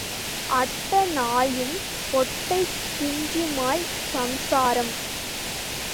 அட்ட நாயும் பொட்டைக் குஞ்சுமாய்ச் சம்சாரம்.